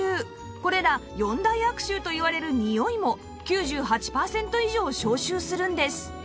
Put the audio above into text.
これら４大悪臭といわれるにおいも９８パーセント以上消臭するんです